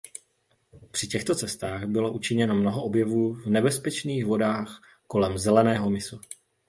Při těchto cestách bylo učiněno mnoho objevů v nebezpečných vodách kolem Zeleného mysu.